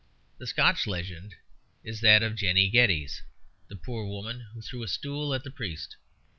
The Scotch legend is that of Jenny Geddes, the poor woman who threw a stool at the priest.